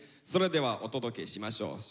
それではお届けしましょう。